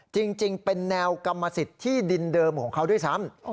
จริงเป็นแนวกรรมสิทธิ์ที่ดินเดิมของเขาด้วยซ้ำ